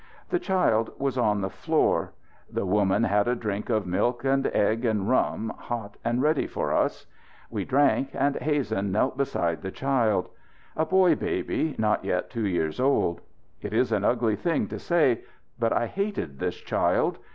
The child was on the floor. The woman had a drink of milk and egg and rum, hot and ready for us. We drank, and Hazen knelt beside the child. A boy baby, not yet two years old. It is an ugly thing to say, but I hated this child.